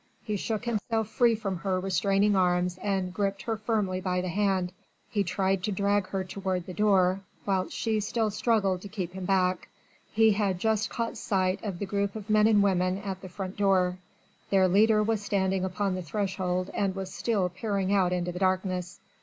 He shook himself free from her restraining arms and gripped her firmly by the hand. He tried to drag her toward the door, whilst she still struggled to keep him back. He had just caught sight of the group of men and women at the front door: their leader was standing upon the threshold and was still peering out into the darkness.